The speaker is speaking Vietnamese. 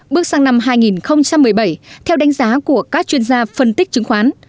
bước sang năm hai nghìn một mươi bảy theo đánh giá của các chuyên gia phân tích chứng khoán